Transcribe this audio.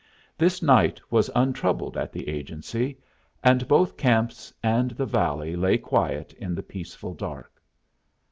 This night was untroubled at the agency, and both camps and the valley lay quiet in the peaceful dark.